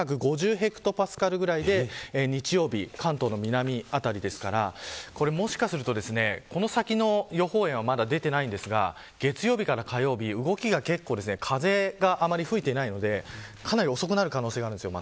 ヘクトパスカルぐらいで日曜日、関東の南辺りですからもしかすると、この先の予報円はまだ出ていないですが月曜日から火曜日、動きが風があまり吹いていないので動きがかなり遅くなる可能性があります。